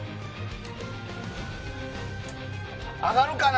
上がるかな？